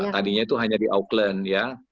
tadinya itu hanya di auckland ya